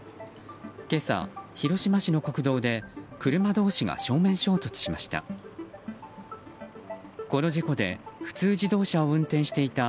今朝、広島市の国道で車同士が正面衝突しました。